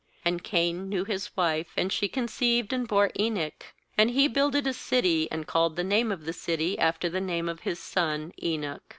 17And Cain knew his wife; and she conceived, and bore Enoch; and he builded a city, and called the name of the city after the name of his son Enoch.